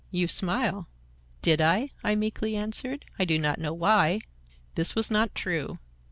You smile." "Did I?" I meekly answered. "I do not know why." This was not true.